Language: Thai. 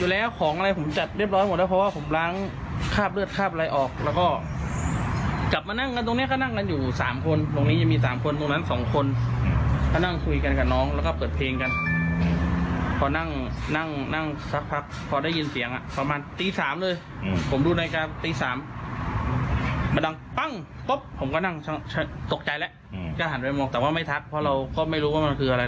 แล้วหันไปมองแต่ว่าไม่ทักเพราะเราก็ไม่รู้ว่ามันคืออะไร